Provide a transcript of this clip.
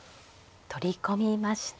取り込みました。